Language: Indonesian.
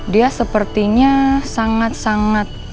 dia sepertinya sangat sangat